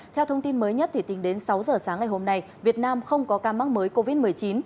theo thông tin mới nhất tính đến sáu giờ sáng ngày hôm nay việt nam không có ca mắc mới covid một mươi chín